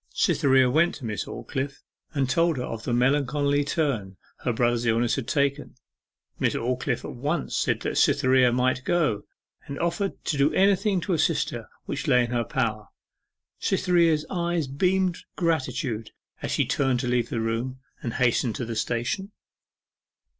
Cytherea went to Miss Aldclyffe, and told her of the melancholy turn her brother's illness had taken. Miss Aldclyffe at once said that Cytherea might go, and offered to do anything to assist her which lay in her power. Cytherea's eyes beamed gratitude as she turned to leave the room, and hasten to the station.